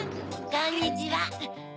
こんにちは。